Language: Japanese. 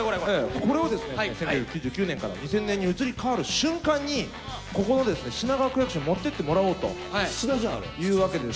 これをですね、１９９９年から２０００年に移り変わる瞬間に、ここの品川区役所に持っていってもらおうというわけです。